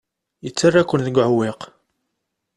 Yettarra-ken deg uɛewwiq.